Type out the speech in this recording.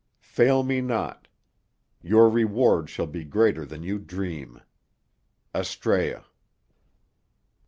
Fail me not. Your reward shall be greater than you dream. _Astræa.